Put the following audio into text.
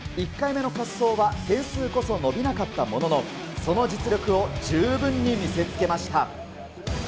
１回目の滑走は点数こそ伸びなかったものの、その実力を十分に見せつけました。